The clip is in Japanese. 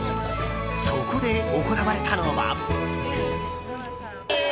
そこで行われたのは。